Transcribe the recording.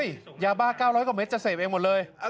เฮ่ยยาบ้า๙๕๓เมตรจะเศษเองหมดเลย